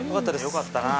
よかったな。